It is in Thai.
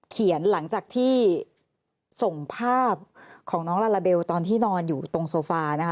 หลังจากที่ส่งภาพของน้องลาลาเบลตอนที่นอนอยู่ตรงโซฟานะคะ